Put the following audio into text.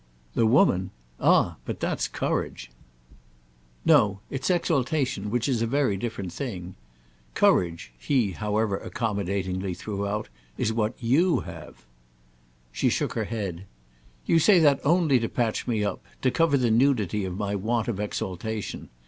"The woman? Ah but that's courage." "No—it's exaltation, which is a very different thing. Courage," he, however, accommodatingly threw out, "is what you have." She shook her head. "You say that only to patch me up—to cover the nudity of my want of exaltation.